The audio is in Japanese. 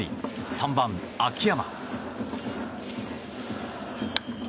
３番、秋山。